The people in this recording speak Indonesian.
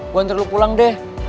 gue hantar lo pulang deh